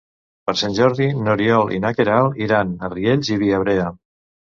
Per Sant Jordi n'Oriol i na Queralt iran a Riells i Viabrea.